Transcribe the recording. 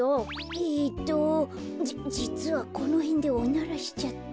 えっとじじつはこのへんでおならしちゃって。